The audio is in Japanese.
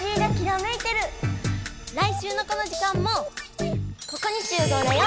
来週のこの時間もここに集合だよ！